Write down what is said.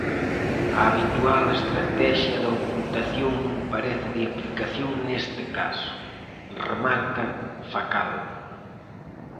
"A habitual estratexia da ocultación non parece de aplicación neste caso", remarca Facal.